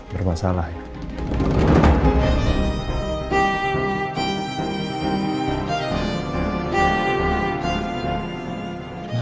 berantem sama brenda